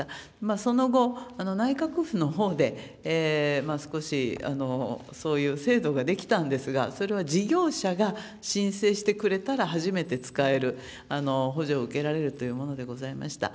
その後、内閣府のほうで、少し、そういう制度が出来たんですが、それは事業者が申請してくれたら、初めて使える、補助を受けられるというものでございました。